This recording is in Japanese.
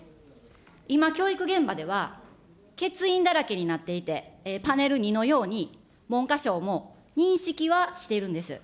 今、教育現場では、欠員だらけになっていて、パネル２のように、文科省も認識はしているんです。